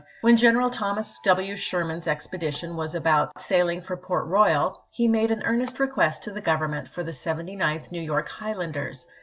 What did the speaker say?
When General Thomas "W. Sherman's expedition was about sailing for Port Eoyal, he made an earnest request to the Government for the Seventy ninth New York Highlanders.